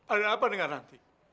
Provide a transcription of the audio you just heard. ada apa dengan ranti